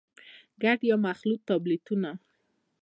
ګډ يا مخلوط ټابليټونه: